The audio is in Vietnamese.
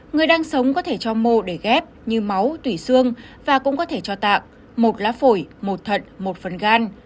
người đang sống có thể cho mô để ghép như máu tủy xương và cũng có thể cho tạng một lá phổi một thận một phần gan